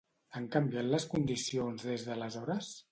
Han canviat les condicions des d'aleshores?